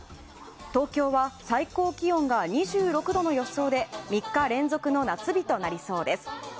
東京は最高気温が２６度の予想で３日連続の夏日となりそうです。